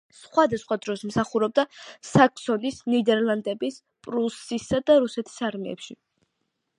სხვადასხვა დროს მსახურობდა საქსონიის, ნიდერლანდების, პრუსიისა და რუსეთის არმიებში.